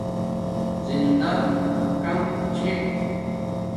زندݳ کم چھے